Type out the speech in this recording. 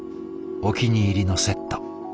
お気に入りのセット。